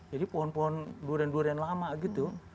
pohon pohon durian durian lama gitu